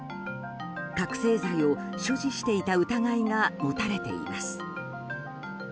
覚醒剤を所持していた疑いが持たれています。